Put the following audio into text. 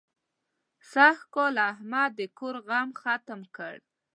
سږکال احمد د کور غم ختم کړ.